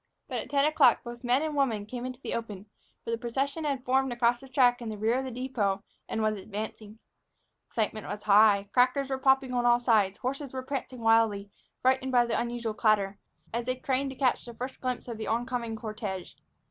But at ten o'clock both men and women came into the open, for the procession had formed across the track in the rear of the depot and was advancing. Excitement was high. Crackers were popping on all sides, horses were prancing wildly, frightened by the unusual clatter, and people were laughing and shouting to one another as they craned to catch a first glimpse of the oncoming cortège.